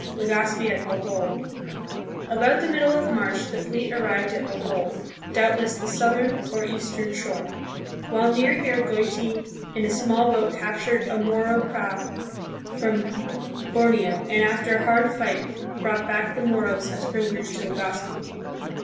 Legazpi at Bo hol. About the middle of March the fleet arrived at Bohol, doubt less the southern or eastern shore. AYhile near here Goiti in a small boat captured a Moro prau from Borneo and after a hard fight brought back the M o r o s as pris oners to Legazpi.